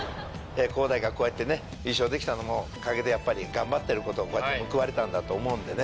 航大がこうやってね優勝できたのも陰でやっぱり頑張ってること報われたんだと思うんでね。